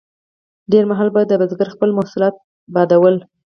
ډیر مهال به د بزګر خپل محصولات باد وړل.